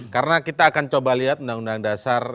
karena kita akan coba lihat undang undang dasar